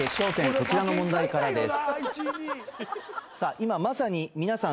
こちらの問題からです